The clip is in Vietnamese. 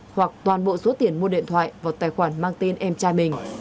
hoặc toàn bộ số tiền mua điện thoại vào tài khoản mang tên em trai mình